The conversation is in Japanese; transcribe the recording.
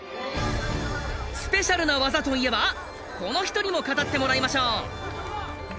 スペシャルな技といえばこの人にも語ってもらいましょう。